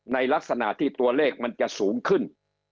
ในลักษณะที่ตัวเลขมันจะสูงขึ้น